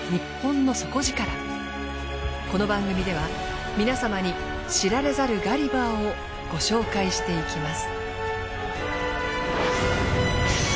この番組では皆様に知られざるガリバーをご紹介していきます。